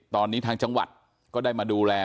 ตอนนี้ทางจังหวัดก็ได้มาดูแล